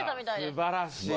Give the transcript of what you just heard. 素晴らしい